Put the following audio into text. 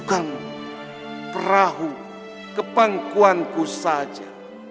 dan perahu kebangkuanku saja